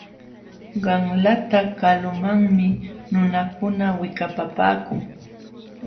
Qanlata kalumanmi nunakuna wikapapaakun.